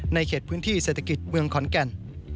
เขตพื้นที่เศรษฐกิจเมืองขอนแก่น